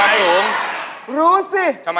ไอ้ม่ะ